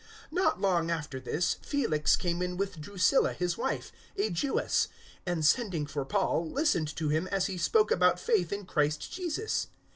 024:024 Not long after this, Felix came with Drusilla his wife, a Jewess, and sending for Paul, listened to him as he spoke about faith in Christ Jesus.